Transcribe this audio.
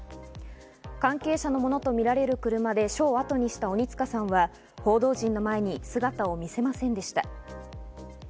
関係者のものとみられる車で署をあとにした鬼束さんは、報道陣の前に姿を見せませんでした。